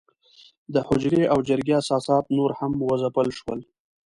د حجرې او جرګې اساسات نور هم وځپل شول.